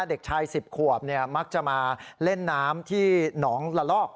เด็กชาย๑๐ขวบมักจะมาเล่นน้ำที่หนองละลอก